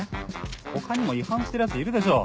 他にも違反してるヤツいるでしょ。